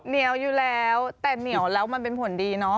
เหนียวอยู่แล้วแต่เหนียวแล้วมันเป็นผลดีเนาะ